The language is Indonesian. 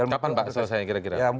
kapan pak selesainya kira kira